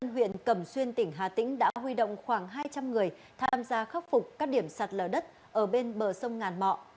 huyện cẩm xuyên tỉnh hà tĩnh đã huy động khoảng hai trăm linh người tham gia khắc phục các điểm sạt lở đất ở bên bờ sông ngàn mọ